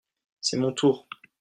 c'est mon tour.